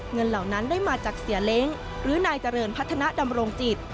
เหล่านั้นได้มาจากเสียเล้งหรือนายเจริญพัฒนาดำรงจิต